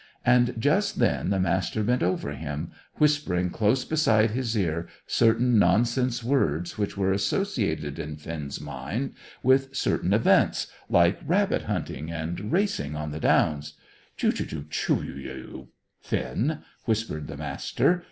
And just then the Master bent over him, whispering close beside his ear certain nonsense words which were associated in Finn's mind with certain events, like rabbit hunting and racing on the Downs. "Chu, chu, chu u u , Finn!" whispered the Master.